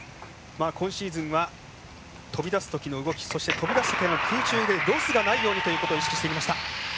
今シーズンは飛び出す時の動きそして飛び出す時の空中でロスがないようにということを意識してきました。